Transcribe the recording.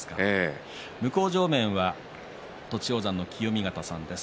向正面は栃煌山の清見潟さんです。